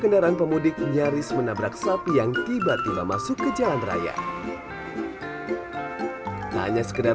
kendaraan pemudik nyaris menabrak sapi yang tiba tiba masuk ke jalan raya hanya sekedar